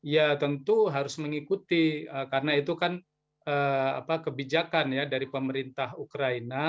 ya tentu harus mengikuti karena itu kan kebijakan ya dari pemerintah ukraina